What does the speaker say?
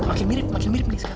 sekarang kita akan bergantian